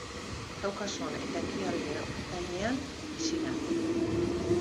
Kaukason eta Ekialde Ertainean bizi da.